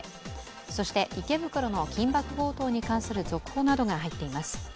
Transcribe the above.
そして、池袋の緊縛強盗に関する続報などが入っています。